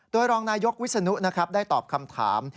โดยรองนายยกวิสนุได้ตอบคำถาม